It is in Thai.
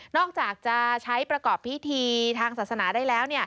อกจากจะใช้ประกอบพิธีทางศาสนาได้แล้ว